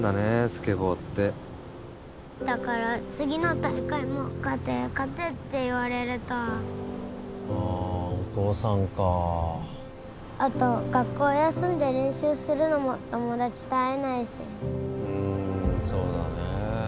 スケボーってだから次の大会も勝て勝てって言われるとああお父さんかあと学校休んで練習するのも友達と会えないしうんそうだねえ